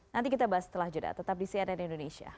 nanti kita bahas setelah jeda tetap di cnn indonesia